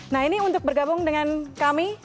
nah ini untuk bergabung dengan kami